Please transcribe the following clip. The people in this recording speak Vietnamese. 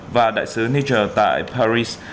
và đại sứ niger tại paris